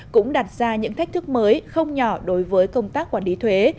cũng đặt ra những thách thức mới không nhỏ đối với công tác quản lý thuế